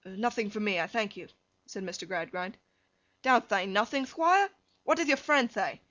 'Nothing for me, I thank you,' said Mr. Gradgrind. 'Don't thay nothing, Thquire. What doth your friend thay?